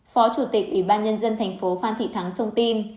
phó chủ tịch ủy ban nhân dân tp hcm phan thị thắng thông tin